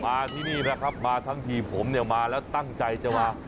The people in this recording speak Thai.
มาที่นี่นะครับมาทั้งทีผมเนี่ยมาแล้วตั้งใจจะมา